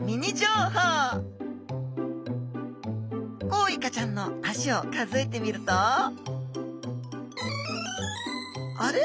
コウイカちゃんの足を数えてみるとあれ？